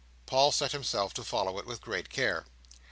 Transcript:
Paul set himself to follow it with great care.